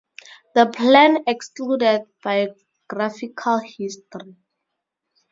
The plan excluded biographical history.